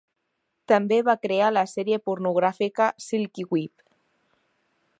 també va crear la sèrie pornogràfica "Silky Whip".